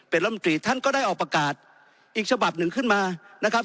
เป็นรัฐมนตรีท่านก็ได้ออกประกาศอีกฉบับหนึ่งขึ้นมานะครับ